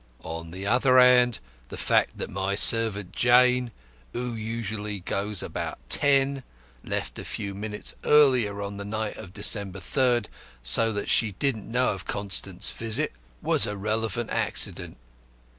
On the other hand, the fact that my servant, Jane, who usually goes about ten, left a few minutes earlier on the night of December 3rd, so that she didn't know of Constant's visit, was a relevant accident.